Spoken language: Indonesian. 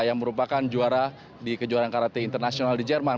yang merupakan juara di kejuaraan karate internasional di jerman